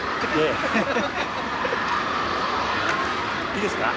いいですか？